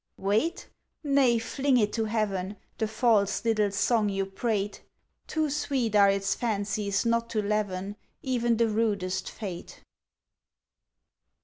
Wait? nay, fling it to heaven The false little song you prate! Too sweet are its fancies not to leaven Even the rudest fate!